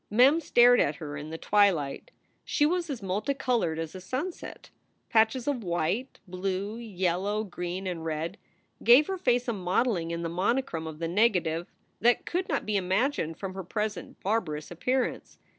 Mem stared at her in the twilight. She was as multi colored as a sunset, patches of white, blue, yellow, green, and red gave her face a modeling in the monochrome of the negative that could not be imagined from her present bar barous appearance.